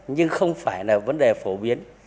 nhưng không phải là vấn đề phổ biến